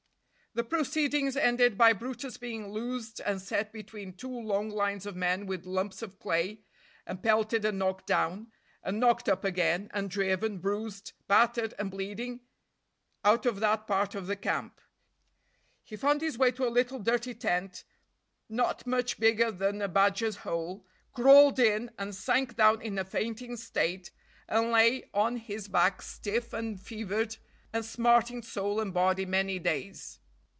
The proceedings ended by brutus being loosed and set between two long lines of men with lumps of clay, and pelted and knocked down, and knocked up again, and driven, bruised, battered and bleeding, out of that part of the camp. He found his way to a little dirty tent not much bigger than a badger's hole, crawled in, and sank down in a fainting state, and lay on his back stiff and fevered, and smarting soul and body many days.